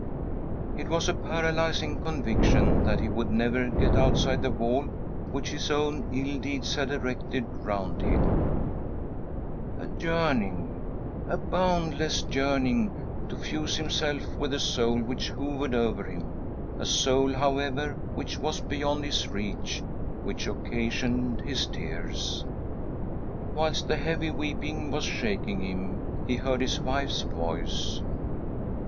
It was a paralysing conviction that >' he would never get outside the wall which his own ill deeds had erected round him, a yearning — a boundless yearning — to fuse himself with the soul which hovered over him, a soul, however, which was beyond his reach, which occasioned his tears. Whilst the heavy weeping was shaking him, he heard his wife's voice.